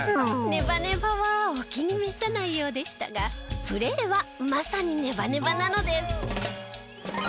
ネバネバはお気に召さないようでしたがプレーはまさにネバネバなのです。